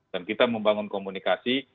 dan kita membangun komunikasi